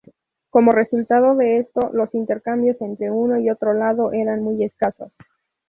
Como resultado de esto, los intercambios entre uno y otro lado eran muy escasos.